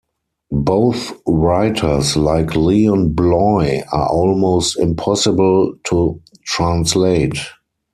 Both writers, like Leon Bloy, are almost impossible to translate.